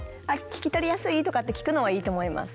聞き取りやすい？とかって聞くのはいいと思います。